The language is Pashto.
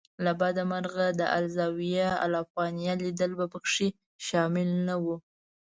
له بده مرغه د الزاویة الافغانیه لیدل په کې شامل نه و.